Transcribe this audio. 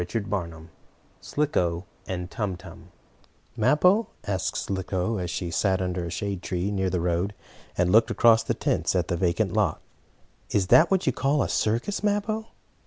CHAPTER V SLICKO AND TUM TUM "Mappo," asked Slicko, as she sat under the shade of a tree, near the road, and looked across at the tents in the vacant lot, "is that what you call a circus, Mappo?"